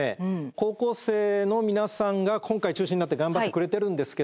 高校生の皆さんが今回中心になって頑張ってくれてるんですけど